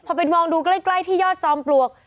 พอไปมองดูใกล้ที่ยอดจอมปลวก